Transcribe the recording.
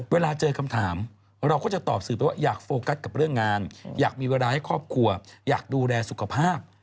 เวลาเจอคำถามเราก็จะตอบสื่อไปว่าอยากโฟกัสกับเรื่องงานอยากมีเวลาให้ครอบครัวอยากดูแลสุขภาพ